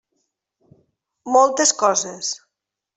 Moltes coses.